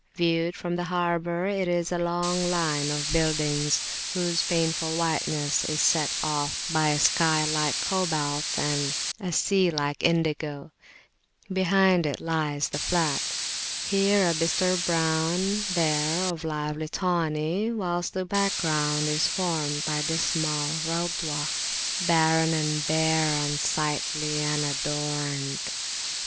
Viewed from the harbour, it is a long line of buildings, whose painful whiteness is set off by a sky like cobalt and a sea like indigo; behind it lies the flat, here of a bistre brown, there of a lively tawny; whilst the background is formed by dismal Radhwah, "Barren and bare, unsightly, unadorned."